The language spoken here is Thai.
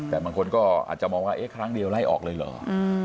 แต่บางคนก็อาจจะมองว่าเอ๊ะครั้งเดียวไล่ออกเลยเหรอ